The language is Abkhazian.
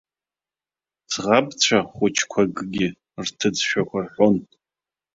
Ӡӷабцәа хәыҷқәакгьы рҭыӡшәақәа рҳәон.